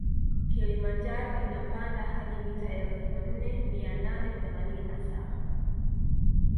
Kilimanjaro inapanda hadi mita elfu nne mia nane themanini na saba